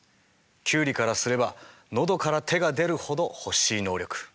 キュウリからすれば喉から手が出るほど欲しい能力。